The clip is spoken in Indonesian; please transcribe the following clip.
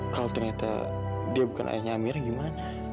kalau ternyata dia bukan air nyamir gimana